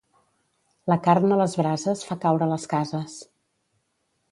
La carn a les brases fa caure les cases.